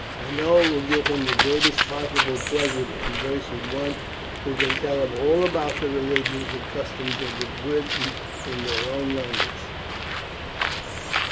I know it will give him the greatest possible pleasure to converse with one who can tell him all about the religions and customs of the Britons in his own language."